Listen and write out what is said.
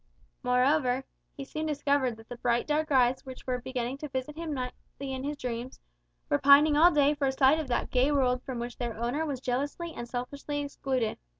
Moreover, he soon discovered that the bright dark eyes which were beginning to visit him nightly in his dreams, were pining all day for a sight of that gay world from which their owner was jealously and selfishly excluded.